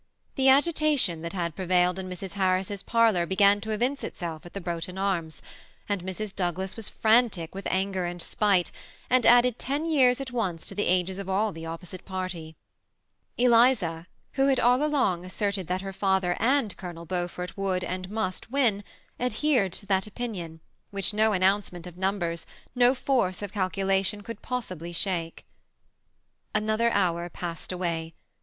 The agitation that had prevailed in Mrs. Harris's par lor began to evince itself at the Broughton Arms ; and Mrs. Douglas was frantic with anger and spite, and added ten years at once to the ages of aU the opposite party. Eliza, who had all along asserted that her father and Colonel Beaufort would and must win, ad hered to that opinion, which no announcement of num bers, no force of calculation could possibly shake. Another hour passed away.